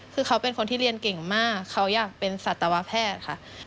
คือเขาเป็นคนที่เรียนเก่งมากเขาอยากเป็นสัตวแพทย์ค่ะ